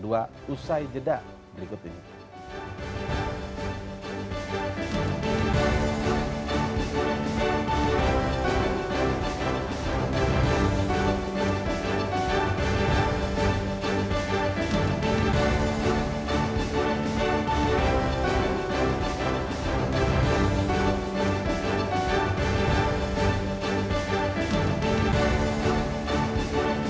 usai jeda berikut ini